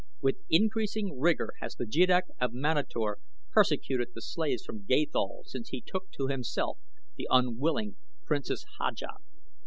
With increasing rigor has the jeddak of Manator persecuted the slaves from Gathol since he took to himself the unwilling Princess Haja.